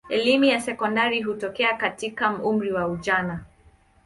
Elimu ya sekondari hutokea katika umri wa ujana.